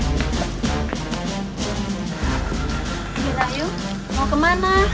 ibu dan ayu mau kemana